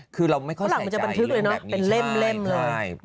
คือเราไม่ค่อยใส่ใจเรื่องแบบนี้